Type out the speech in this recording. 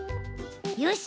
よし！